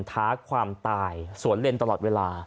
ท้าความตายสวนเล่นตลอดเวลา